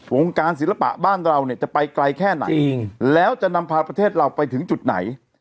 วงการศิลปะบ้านเราเนี่ยจะไปไกลแค่ไหนแล้วจะนำพาประเทศเราไปถึงจุดไหน